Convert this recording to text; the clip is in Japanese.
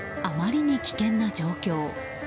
あまりに危険な状況。